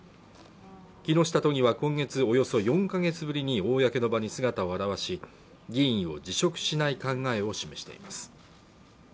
木下都議は今月およそ４か月ぶりに公の場に姿を現し議員を辞職しない考えを示しています